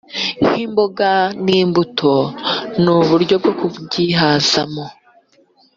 k’imboga n’imbuto n’uburyo bwo kubyihazamo